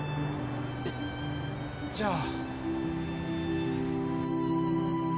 えじゃあ。